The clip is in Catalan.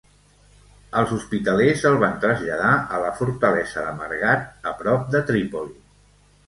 Els hospitalers el van traslladar a la fortalesa de Margat, a prop de Trípoli.